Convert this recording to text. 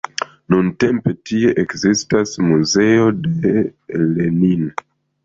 Nuntempe tie ekzistas muzeo de Lenin.